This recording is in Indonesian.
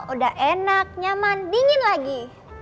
udah enak nyaman dingin lagi